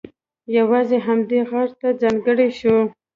یوازې همدې غار ته ځانګړی شو.